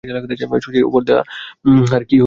শশীর উপহার দেওয়া হার, কী হইল সেটা?